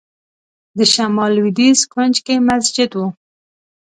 د شمال لوېدیځ کونج کې مسجد و.